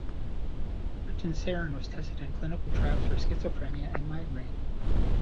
Ritanserin was tested in clinical trials for schizophrenia and migraine.